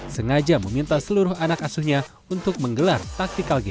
sengaja meminta seluruh anak asuhnya untuk menggelar taktikal game